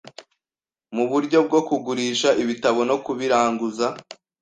mu buryo bwo kugurisha ibitabo nokubiranguza